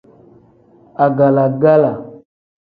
Agala-gala.